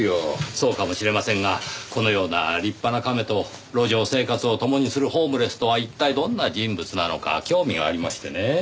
そうかもしれませんがこのような立派なカメと路上生活を共にするホームレスとは一体どんな人物なのか興味がありましてね。